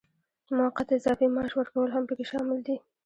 موقت اضافي معاش ورکول هم پکې شامل دي.